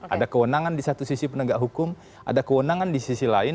ada kewenangan di satu sisi penegak hukum ada kewenangan di sisi lain